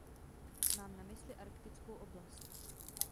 Mám na mysli arktickou oblast.